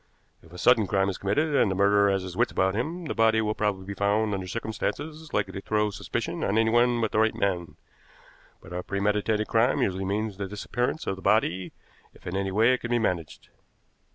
If a sudden crime is committed, and the murderer has his wits about him, the body will probably be found under circumstances likely to throw suspicion on anyone but the right man; but a premeditated crime usually means the disappearance of the body if in any way it can be managed.